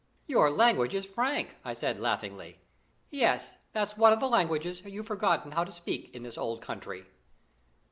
"Your language is frank," I said laughingly. "Yes, that's one of the languages you've forgotten how to speak in this old country."